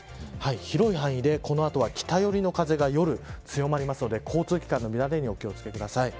広い範囲でこの後は北寄りの風が夜、強まるので交通機関の乱れにお気を付けください。